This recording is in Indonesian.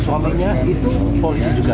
suaminya itu polisi juga